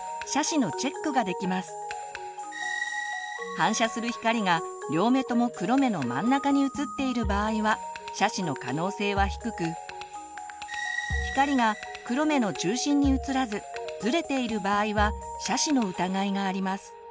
反射する光が両目とも黒目の真ん中にうつっている場合は斜視の可能性は低く光が黒目の中心にうつらずずれている場合は斜視の疑いがあります。